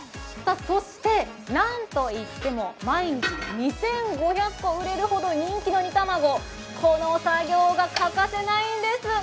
そして、なんといっても毎日２５００個売れるほどの人気の煮玉子、この作業が欠かせないんです。